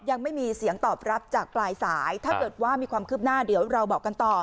ยังไม่มีเสียงตอบรับจากปลายสายถ้าเกิดว่ามีความคืบหน้าเดี๋ยวเราบอกกันต่อ